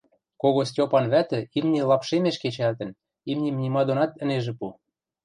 Кого Стьопан вӓтӹ имни лапшемеш кечӓлтӹн, имним нима донат ӹнежӹ пу.